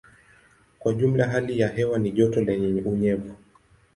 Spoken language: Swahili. Kwa jumla hali ya hewa ni joto lenye unyevu.